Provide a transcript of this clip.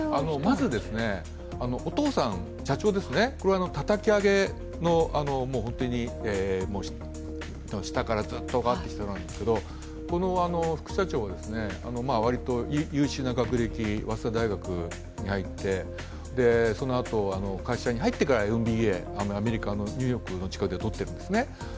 まずお父さん、社長がたたき上げの、下からずっと上がってきた人なんですけどこの副社長、割と優秀な学歴、早稲田大学に入って、そのあと会社に入ってからＭＢＡをとっているんですね。